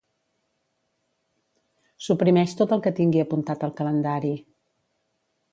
Suprimeix tot el que tingui apuntat al calendari.